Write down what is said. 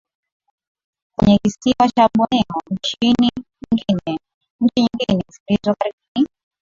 kwenye kisiwa cha Borneo Nchi nyingine zilizo karibu ni